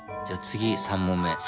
じゃ次３問目。